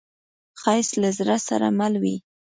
ښایست له زړه سره مل وي